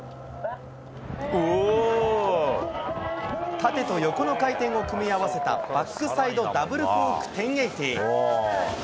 縦と横の回転を組み合わせたバックサイドダブルコーク１０８０。